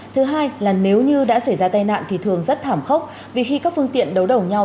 thứ hai là nếu như đã xảy ra tai nạn thì thường rất thảm khốc vì khi các phương tiện đấu đầu nhau